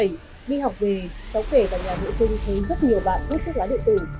khi học về cháu kể vào nhà nghệ sinh thấy rất nhiều bạn hút thuốc lá điện tử